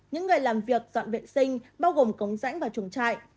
những người làm việc dọn vệ sinh bao gồm cống rãnh và chuồng trại